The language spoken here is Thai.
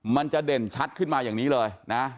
มันจะเด่นชัดขึ้นมาอย่างนี้เลยนะ